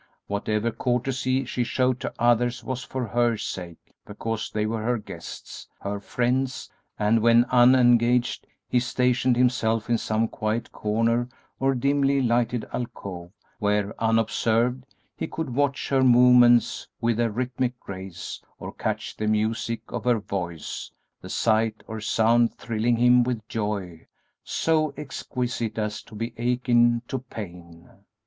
Whatever courtesy he showed to others was for her sake, because they were her guests, her friends, and when unengaged he stationed himself in some quiet corner or dimly lighted alcove where, unobserved, he could watch her movements with their rhythmic grace or catch the music of her voice, the sight or sound thrilling him with joy so exquisite as to be akin to pain.